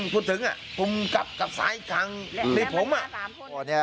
พุ่งถึงอ่ะพุ่งกลับกับสายข้างนิดผมอ่ะ